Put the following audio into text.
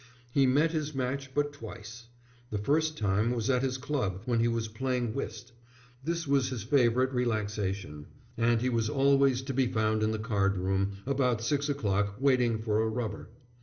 He met his match but twice. The first time was at his club when he was playing whist. This was his favourite relaxation, and he was always to be found in the card room about six o'clock waiting for a rubber.